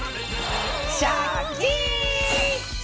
シャキーン！